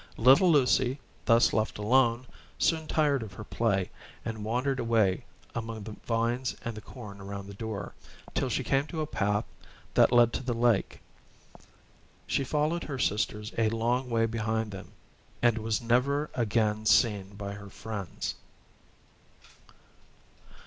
Little Lucy, thus left alone, soon tired of her play, and wandered away among the vines and the corn around the door, till she came to the path that led to the lake. She followed her sisters a long way behind them, and was never again seen by her friends.